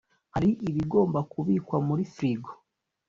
hari ibigomba kubikwa muri frigo